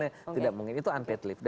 ya tidak mungkin itu unpaid leave